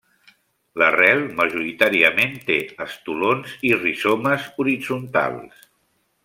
L'arrel, majoritàriament té estolons i rizomes horitzontals.